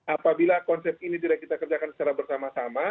apabila konsep ini tidak kita kerjakan secara bersama sama